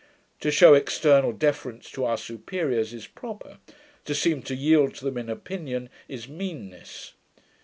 To shew external deference to our superiors, is proper: to seem to yield to them in opinion, is meanness.